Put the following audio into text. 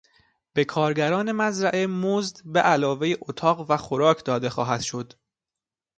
به کارگران مزرعه مزد به علاوهی اتاق و خوراک داده خواهد شد.